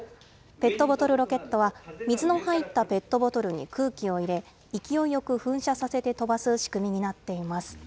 ペットボトルロケットは、水の入ったペットボトルに空気を入れ、勢いよく噴射させて飛ばす仕組みになっています。